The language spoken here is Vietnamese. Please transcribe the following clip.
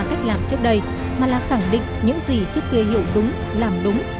cách làm trước đây mà là khẳng định những gì trước kia hiểu đúng làm đúng